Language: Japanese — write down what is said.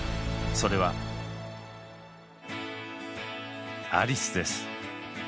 それはアリスです。